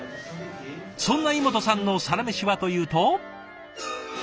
そんな井本さんのサラメシはというと。